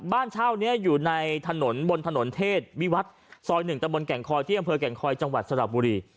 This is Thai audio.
บ้านเช่านี้อยู่ในถนนบนถนนเทศวิวัตรซอย๑ตะบนแก่งคอยที่อำเภอแก่งคอยจังหวัดสระบุรี